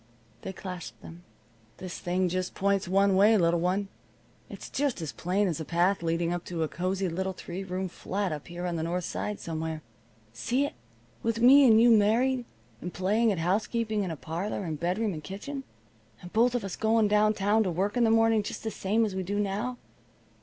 They clasped them. "This thing just points one way, little one. It's just as plain as a path leading up to a cozy little three room flat up here on the North Side somewhere. See it? With me and you married, and playing at housekeeping in a parlor and bedroom and kitchen? And both of us going down town to work in the morning just the same as we do now.